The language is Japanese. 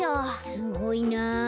すごいな。